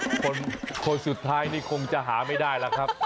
เอ้าคนคนสุดท้ายเนี่ยคงจะหาไม่ได้แหละครับ